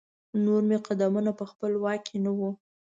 نور مې قدمونه په خپل واک کې نه وو.